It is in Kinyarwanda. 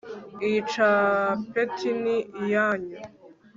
iyi capeti ni iyanyu